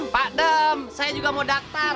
pak dem saya juga mau daftar